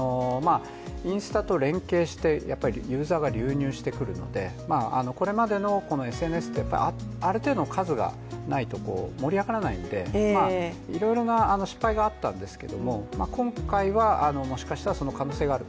インスタと連携してユーザーが流入してくるのでこれまでのＳＮＳってある程度の数がないと盛り上がらないので、いろいろな失敗があったんですが今回、もしかしたら、その可能性がある。